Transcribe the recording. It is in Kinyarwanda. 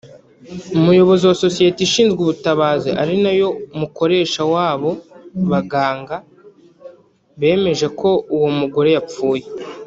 Umuyobozi wa sosiyete ishinzwe ubutabazi ari nayo mukoresha w’abo baganga bemeje ko uwo mugore yapfuye